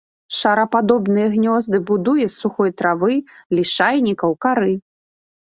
Шарападобныя гнёзды будуе з сухой травы, лішайнікаў, кары.